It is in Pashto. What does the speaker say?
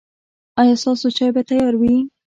ایا ستاسو چای به تیار وي؟